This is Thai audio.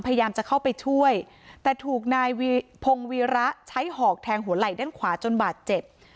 พยายามจะเข้าไปช่วยแต่ถูกนายพงวีระใช้หอกแทงหัวไหล่ด้านขวาจนบาดเจ็บ